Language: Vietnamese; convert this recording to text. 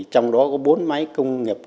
trong đó có bốn máy công nghiệp